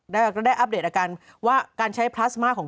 สำเร็จอาการว่าการใช้พลาสมาของ